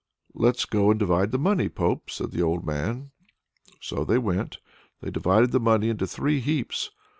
"Let's go and divide the money, Pope," said the old man. So they went. They divided the money into three heaps.